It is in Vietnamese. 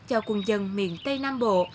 cho quân dân miền tây nam bộ